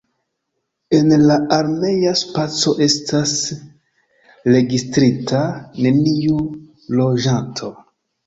En la armea spaco estas registrita neniu loĝanto.